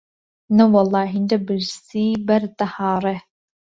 نەوەڵڵا هێندە برسی بەرد دەهاڕی